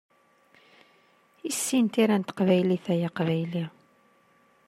Issin tira n teqbaylit ay aqbayli!